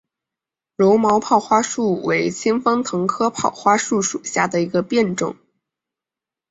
柔毛泡花树为清风藤科泡花树属下的一个变种。